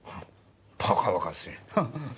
バカバカしいハハ。